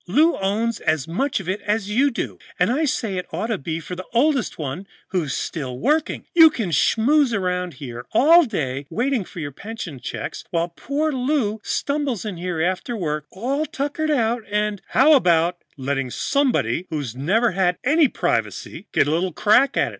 "Lou owns as much of it as you do, and I say it ought to be for the oldest one who's still working. You can snooze around here all day, waiting for your pension check, while poor Lou stumbles in here after work, all tuckered out, and " "How about letting somebody who's never had any privacy get a little crack at it?"